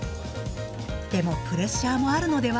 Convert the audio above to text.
でもプレッシャーもあるのでは？